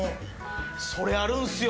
それあるんすよ。